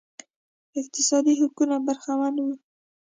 اقتصادي حقونو برخمن وو